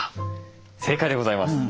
正解でございます。